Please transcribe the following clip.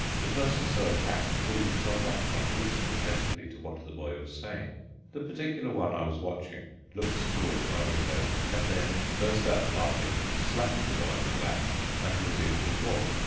The person so attacked pulled himself up and listened attentively to what the boy was saying. The particular one I was watching looked towards my window and then burst out laughing, slapped the boy on the back, and resumed his walk.